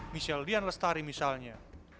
michelle dian lestari misalnya